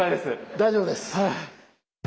大丈夫です。